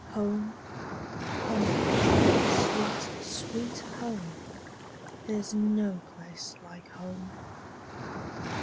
home! sweet, sweet home! There 's no place like home!